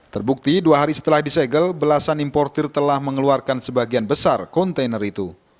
terbukti dua hari setelah disegel belasan importer telah mengeluarkan sebagian besar kontainer itu